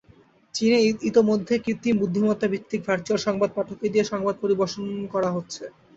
চীনে ইতোমধ্যে কৃত্রিম বুদ্ধিমত্তা ভিত্তিক ভার্চুয়াল সংবাদ পাঠককে দিয়ে সংবাদ পরিবেশন করা হচ্ছে।